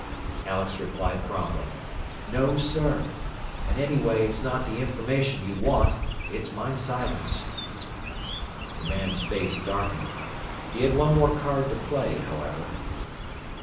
Alex replied promptly, "No, sir. And anyway, it's not the information you want. It's my silence." The man's face darkened. He had one more card to play, however.